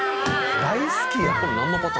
大好きやん。